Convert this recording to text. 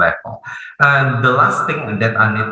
hal terakhir yang perlu saya sampaikan